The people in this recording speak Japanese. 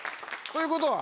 ということは。